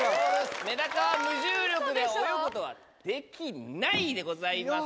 メダカは無重力で泳ぐことは「できない」でございます。